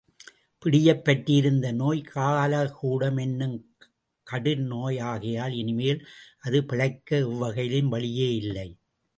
பிடியைப் பற்றியிருந்த நோய் காலகூடம் என்னும் கடுநோயாகையால் இனிமேல் அது பிழைக்க எவ் வகையிலும் வழியே இல்லை.